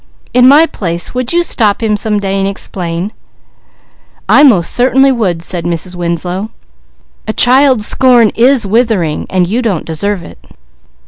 In my place, would you stop him some day and explain?" "I most certainly would," said Mrs. Winslow. "A child's scorn is withering, and you don't deserve it."